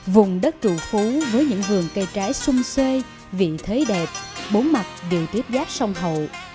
vùng đất trụ phú với những vườn cây trái sung sơi vị thế đẹp bốn mặt đều tiết giác sông hậu